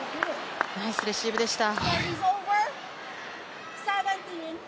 ナイスレシーブでした。